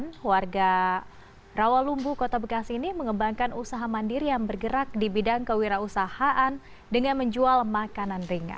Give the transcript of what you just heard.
dan warga rawalumbu kota bekasi ini mengembangkan usaha mandiri yang bergerak di bidang kewirausahaan dengan menjual makanan ringan